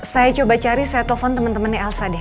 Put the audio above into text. saya coba cari saya telepon temen temennya elsa deh